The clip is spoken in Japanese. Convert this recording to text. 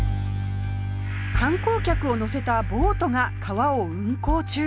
観光客を乗せたボートが川を運行中